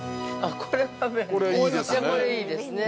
これはいいですね。